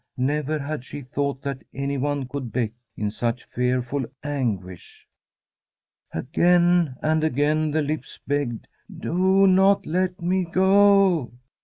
Never had she thought that anyone could beg in such fearful anguish. Again and again the lips begged, ' Do not let me go